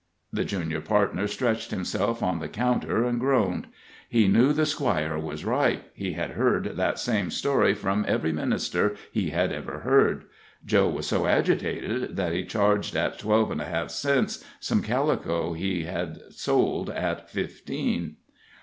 The junior partner stretched himself on the counter and groaned. He knew the Squire was right he had heard that same story from every minister he had ever heard. Joe was so agitated that he charged at twelve and a half cents some calico he had sold at fifteen.